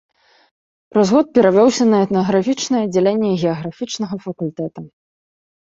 Праз год перавёўся на этнаграфічнае аддзяленне геаграфічнага факультэта.